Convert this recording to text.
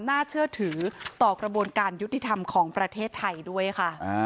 น่าเชื่อถือต่อกระบวนการยุติธรรมของประเทศไทยด้วยค่ะ